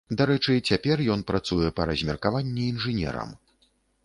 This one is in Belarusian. Дарэчы, цяпер ён працуе па размеркаванні інжынерам.